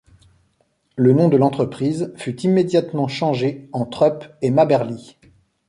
Le nom de l'entreprise fut immédiatement changé en Thrupp & Maberly.